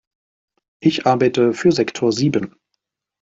Ich arbeite für Sektor sieben.